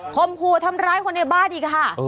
มขู่ทำร้ายคนในบ้านอีกค่ะ